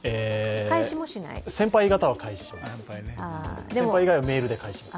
先輩方は返します。